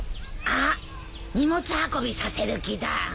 あっ荷物運びさせる気だ。